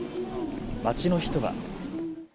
街の人は。